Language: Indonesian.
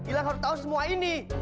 hilang harus tahu semua ini